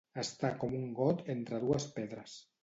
Estar com un got entre dues pedres.